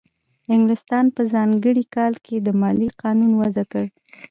انګلستان په ځانګړي کال کې د مالیې قانون وضع کړ.